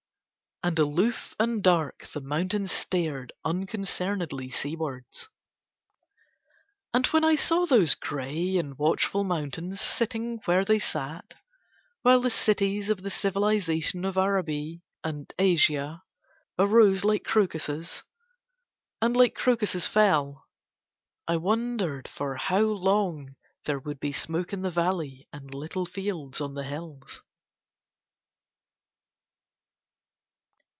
And aloof and dark the mountains stared unconcernedly seawards. And when I saw those grey and watchful mountains sitting where they sat while the cities of the civilization of Araby and Asia arose like crocuses, and like crocuses fell, I wondered for how long there would be smoke in the valley and little fields on the hills.